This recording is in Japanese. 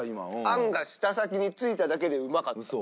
あんが舌先についただけでうまかった。